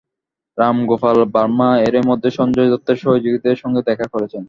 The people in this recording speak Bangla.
রাম গোপাল ভার্মা এরই মধ্যে সঞ্জয় দত্তের সহযোগীদের সঙ্গে দেখা করেছেন।